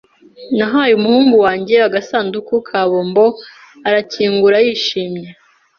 Nahaye umuhungu wanjye agasanduku ka bombo, arakingura yishimye.